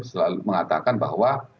selalu mengatakan bahwa